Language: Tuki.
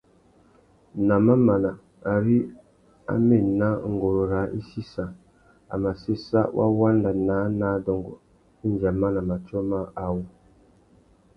Nà mamana, ari a mà ena nguru râā i sissa, a mà séssa wa wanda naā nà adôngô indi a mana matiō mâā awô.